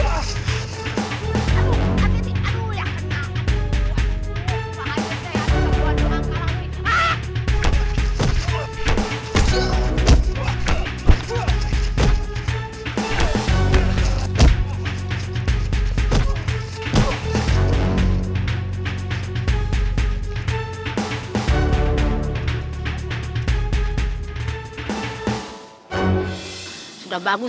aduh api api